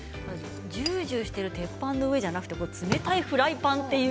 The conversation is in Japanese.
ジュージューしている鉄板の上じゃなくて冷たいフライパン。